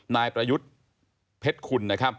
นายปรยุทธิ์เพศคุณ